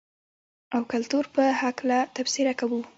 او کلتور په حقله تبصره کوو.